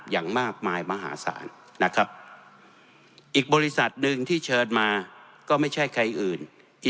อย่างมากมายมหาศาลนะครับอีกบริษัทหนึ่งที่เชิญมาก็ไม่ใช่ใครอื่นที่